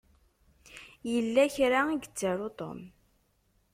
Yella kra i yettaru Tom.